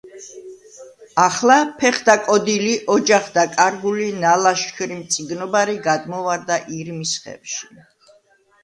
ახლა ფეხდაკოდილი, ოჯახდაკარგული, ნალაშქრი მწიგნობარი გადმოვარდა ირმის ხევში.